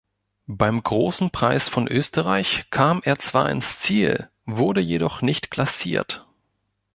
Beim Großen Preis von Österreich kam er zwar ins Ziel, wurde jedoch nicht klassiert.